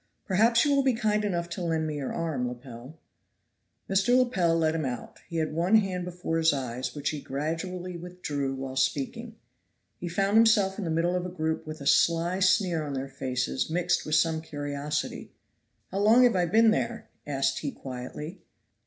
Perhaps you will be kind enough to lend me your arm, Lepel." Mr. Lepel led him out; he had one hand before his eyes, which he gradually withdrew while speaking. He found himself in the middle of a group with a sly sneer on their faces mixed with some curiosity. "How long have I been there?" asked he quietly.